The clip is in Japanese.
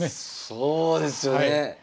そうですよね。